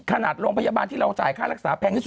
โรงพยาบาลที่เราจ่ายค่ารักษาแพงที่สุด